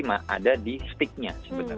ada di stick nya